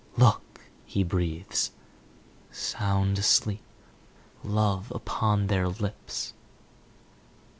"Look," he breathes. "Sound asleep. Love upon their lips."